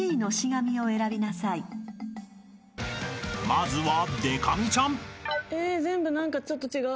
［まずは］